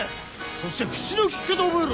そして口の利き方を覚えろ！